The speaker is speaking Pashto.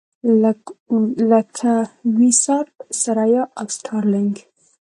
لکه وي-ساټ، ثریا او سټارلېنک.